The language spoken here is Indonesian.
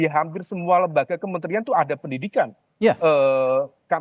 di hampir semua lembaga kementerian itu ada pendidikan